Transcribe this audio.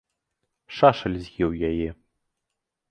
Шашаль з еў яе.